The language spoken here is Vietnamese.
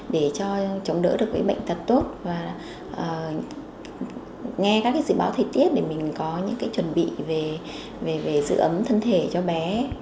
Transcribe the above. để cho chống đỡ được cái bệnh tật tốt và nghe các dự báo thời tiết để mình có những cái chuẩn bị về dự ấm thân thể cho bé